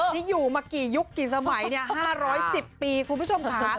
นี่อยู่มากี่ยุคกี่สมัย๕๑๐ปีคุณผู้ชมค่ะ